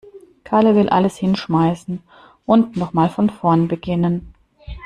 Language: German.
Kalle will alles hinschmeißen und noch mal von vorn beginnen.